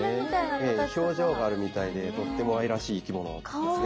ええ表情があるみたいでとっても愛らしい生き物ですね。